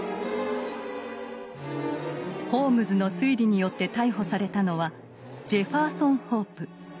ホームズの推理によって逮捕されたのはジェファーソン・ホープ。